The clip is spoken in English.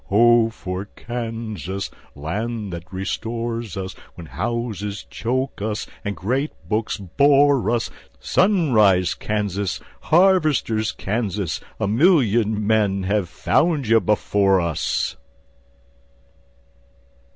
_Ho for Kansas, land that restores us When houses choke us, and great books bore us! Sunrise Kansas, harvester's Kansas, A million men have found you before us.